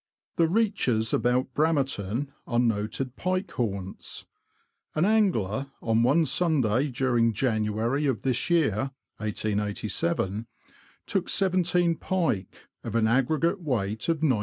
The reaches about Bramerton are noted pike haunts. An angler, on one Sunday during January of this year {1887), took seventeen pike, of an aggregate weight of 931b.